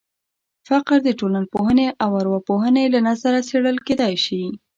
فقر د ټولنپوهنې او ارواپوهنې له نظره څېړل کېدای شي.